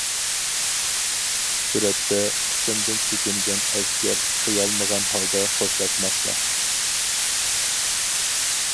سۈرەتتە: قىسىمدىن چېكىنگەن ئەسكەر قىيالمىغان ھالدا خوشلاشماقتا.